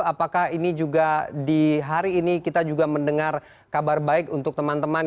apakah ini juga di hari ini kita juga mendengar kabar baik untuk teman teman